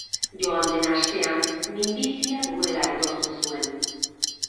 Joan den astean, minbizia duela aitortu zuen.